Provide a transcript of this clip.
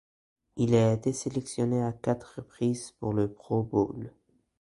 Il a été sélectionné à quatre reprises pour le Pro Bowl.